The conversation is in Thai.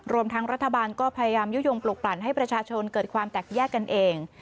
รวมทั้งรัฐบาลก็พยายามยุโยงปลุกปลั่นให้ประชาชนเกิดความแตกแยกกันเอง